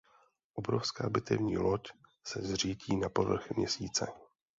Obrovská bitevní loď se zřítí na povrch Měsíce.